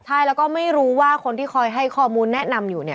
ใช่แล้วก็ไม่รู้ว่าคนที่คอยให้ข้อมูลแนะนำอยู่เนี่ย